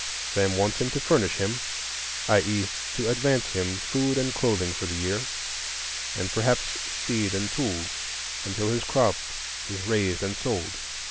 Sam wants him to "furnish" him,—i.e., to advance him food and clothing for the year, and perhaps seed and tools, until his crop is raised and sold.